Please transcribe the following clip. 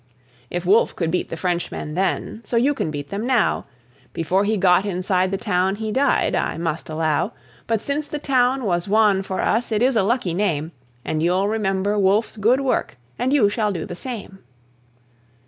"If Wolfe could beat the Frenchmen then, so you can beat them now. Before he got inside the town he died, I must allow. But since the town was won for us it is a lucky name, And you'll remember Wolfe's good work, and you shall do the same."